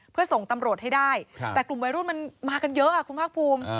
เพื่อส่งตำรวจให้ได้แต่กลุ่มวัยรุ่นมันมากันเยอะคุณภาคภูมิ